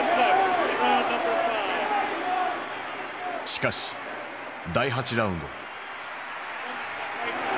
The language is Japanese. しかし第８ラウンド。